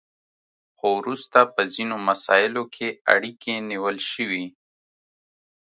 خو وروسته په ځینو مساییلو کې اړیکې نیول شوي